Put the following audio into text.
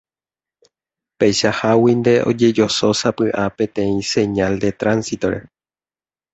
Peichaháguinte ojejosósapy'a peteĩ señal de tránsito-re.